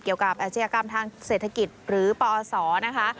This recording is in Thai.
เกี่ยวกับอาชิกากรรมทางเศรษฐกิจหรือปศนะคะ